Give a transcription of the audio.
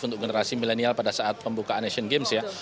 untuk generasi milenial pada saat pembukaan asian games ya